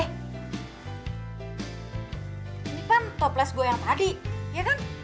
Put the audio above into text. ini kan toples gue yang tadi ya kan